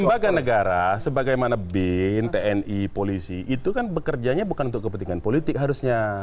lembaga negara sebagaimana bin tni polisi itu kan bekerjanya bukan untuk kepentingan politik harusnya